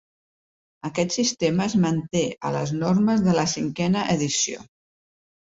Aquest sistema es manté a les normes de la cinquena edició.